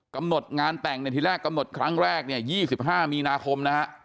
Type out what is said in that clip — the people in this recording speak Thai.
กำหนดงานแต่งในทีแรกกำหนดครั้งแรก๒๕มีนาคม